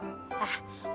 lah mami itu cuma sengaja